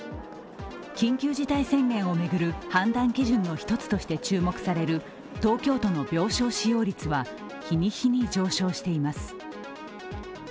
緊急事態宣言を巡る判断基準の一つとして注目される東京都の病床使用率は日に日に上昇しています。